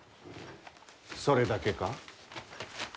それだけか？